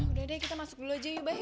udah deh kita masuk dulu aja yuk bang yuk